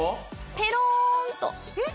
ペローンとえっ？